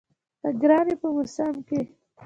د ګرانۍ په موسم کې